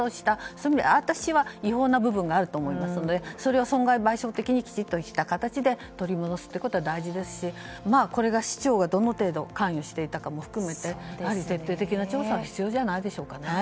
そういう意味で私は違法な部分があると思いますのでそれは損害賠償的にきちっとした形で取り戻すことは大事ですし、市長がどの程度関与していたかも含めて徹底的な調査が必要じゃないでしょうか。